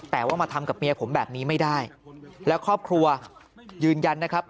แต่ว่ามาทำกับเมียผมแบบนี้ไม่ได้แล้วครอบครัวยืนยันนะครับ